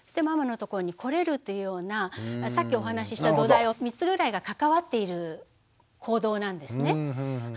ママのところに来れるというようなさっきお話しした土台を３つぐらいが関わっている行動なんですね。